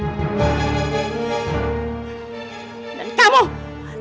dan kamu tinggalkan rumah ini segera